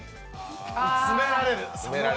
詰められる。